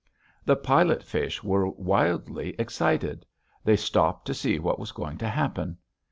The pilot fish were wildly excited; they stopped to see what was going to happen.